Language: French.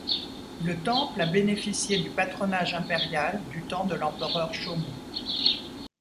Le temple a bénéficié du patronage impérial du temps de l'empereur Shōmu.